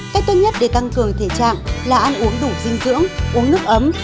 cách tốt nhất để tăng cường thể trạng là ăn uống đủ dinh dưỡng uống nước ấm